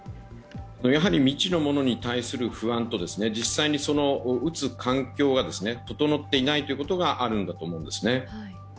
未知のものに対する不安と実際に打つ環境が整っていないということがあるんだと思うんですね。